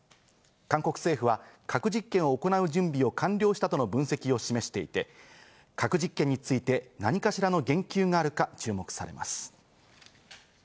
韓国政府は核実験を行う準備を完了したとの分析を示していて、核実験について何かしらの言及があるか注目されます。